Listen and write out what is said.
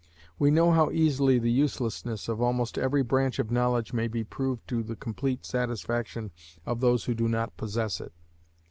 We know how easily the uselessness of almost every branch of knowledge may be proved to the complete satisfaction of those who do not possess it.